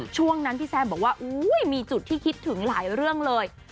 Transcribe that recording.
ช่วงนั้นพี่แซมบอกว่ามีจุดที่คิดถึงหลายเรื่องเลย